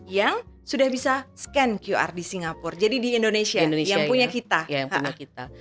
yang sudah bisa scan qr di singapura jadi di indonesia ini yang punya kita